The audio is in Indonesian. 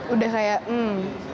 udah kayak hmm